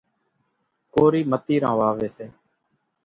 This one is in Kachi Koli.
ڪورِي متيران واويَ سي۔